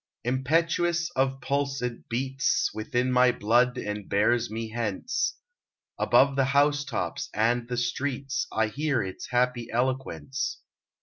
Impetuous of pulse it beats Within my blood and bears me hence; Above the housetops and the streets I hear its happy eloquence.